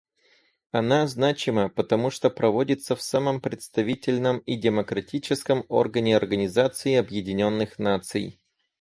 Она значима, потому что проводится в самом представительном и демократическом органе Организации Объединенных Наций.